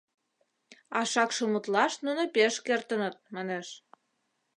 А шакшымутлаш нуно пеш кертыныт, манеш.